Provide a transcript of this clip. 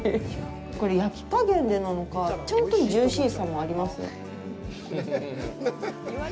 これ焼きかげんでなのかちゃんとジューシーさもありますね。